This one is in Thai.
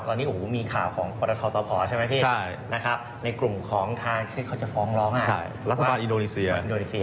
ใช่รัฐบาลอินโดรนิเซีย